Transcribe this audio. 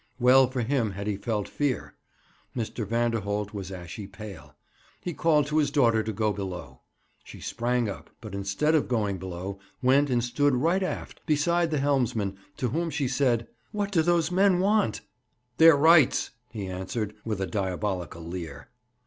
Well for him had he felt fear. Mr. Vanderholt was ashy pale. He called to his daughter to go below. She sprang up, but, instead of going below, went and stood right aft, beside the helmsman, to whom she said: 'What do those men want?' 'Their rights!' he answered, with a diabolical leer.